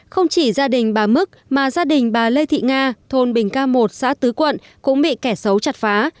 không chỉ gia đình bà mức mà gia đình bà lê thị nga thôn bình ca một xã tứ quận cũng bị kẻ xấu chặt phá